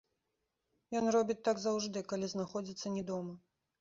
Ён робіць так заўжды, калі знаходзіцца не дома.